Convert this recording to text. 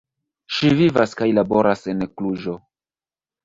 Ŝi vivas kaj laboras en Kluĵo.